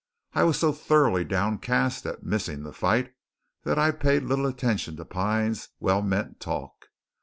I was so thoroughly downcast at missing the fight that I paid little attention to Pine's well meant talk.